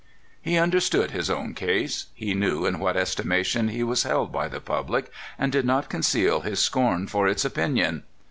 He understood his own case. He knew in what estimation he was held by the public, and did not conceal his scorn for its opinion.